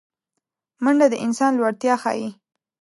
منډه د انسان لوړتیا ښيي